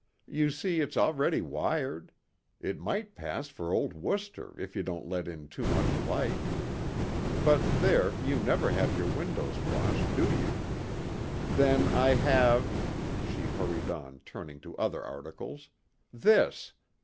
You see it's already wired. It might pass for old Worcester if you don't let in too much light. But there, you never have your windows washed, do you? Then I have," she hurried on, turning to other articles, "this.